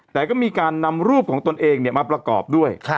แต่ก็มีการนำรูปของตนเองมาประกอบด้วย